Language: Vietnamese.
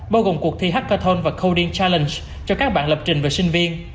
bao gồm cuộc thi hackathon và coding challenge cho các bạn lập trình và sinh viên